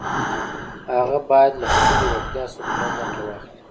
هغه بايد له خپلې وړتيا څخه پوره ګټه واخلي.